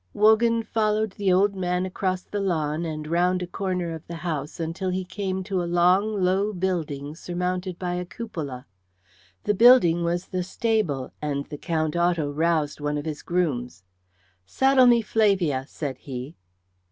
Wogan followed the old man across the lawn and round a corner of the house until he came to a long, low building surmounted by a cupola. The building was the stable, and the Count Otto roused one of his grooms. "Saddle me Flavia," said he.